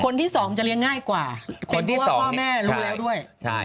คนที่สองจะเลี้ยงง่ายกว่าคนที่ว่าพ่อแม่รู้แล้วด้วย